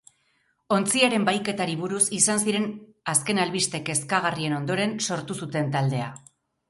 Ontziaren bahiketari buruz izan ziren azken albiste kezkagarrien ondoren sortu zuten taldea.